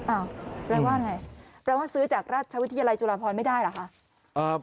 แปลว่าอะไรแปลว่าซื้อจากราชวิทยาลัยจุฬาพรไม่ได้เหรอคะ